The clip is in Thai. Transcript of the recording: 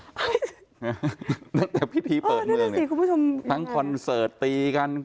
ตั้งแต่พิธีเปิดเมืองนี่ทั้งคอนเสิร์ตตีกัน